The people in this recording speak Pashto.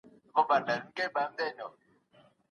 موږ له ډاره ماڼۍ نه ړنګوو.